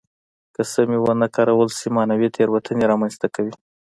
که سمې ونه کارول شي معنوي تېروتنې را منځته کوي.